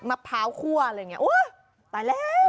มะพร้าวขั่วอะไรแบบนี้อุ่ยตายแล้ว